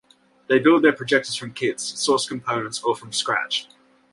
They build their projectors from kits, sourced components, or from scratch.